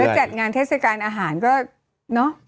จัดงานเทศกาลอาหารก็เนอะ